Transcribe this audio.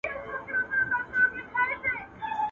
د مدرسو او مکتبونو کیسې.